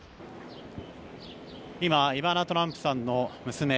今イバナ・トランプさんの娘